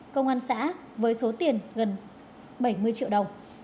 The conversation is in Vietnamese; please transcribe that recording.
công an xã với số tiền gần bảy mươi triệu đồng